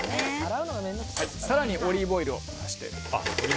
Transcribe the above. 更にオリーブオイルを足して。